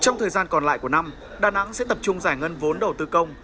trong thời gian còn lại của năm đà nẵng sẽ tập trung giải ngân vốn đầu tư công